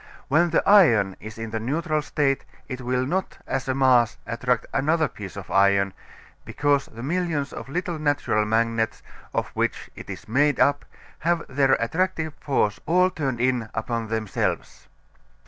When the iron is in the neutral state it will not as a mass attract another piece of iron, because the millions of little natural magnets of which it is made up have their attractive force all turned in upon themselves.